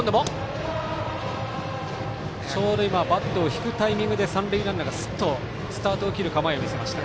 バットを引くタイミングで三塁ランナーがすっとスタートを切る構えを見せました。